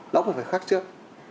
nó cũng phải khác trước